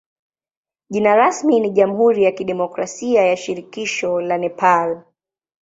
Jina rasmi ni jamhuri ya kidemokrasia ya shirikisho la Nepal.